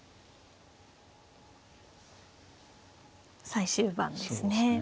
最終盤ですね。